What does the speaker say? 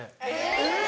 えっ！